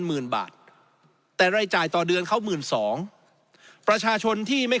หมื่นบาทแต่รายจ่ายต่อเดือนเขาหมื่นสองประชาชนที่ไม่